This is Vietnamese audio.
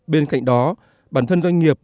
bên cạnh đó bản thân doanh nghiệp